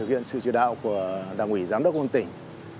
viện sự chỉ đạo của đảng ủy giám đốc công an tỉnh